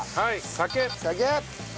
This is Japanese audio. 酒！